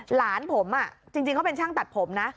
หลานผมจริงเขาเป็นช่างตัดผมนะ